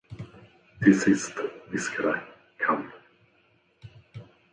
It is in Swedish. Till sist viskade kan.